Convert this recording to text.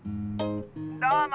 どうも。